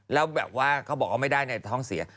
แล้วแบบว่าเขาบอกว่าไม่ได้ในท้องเสีย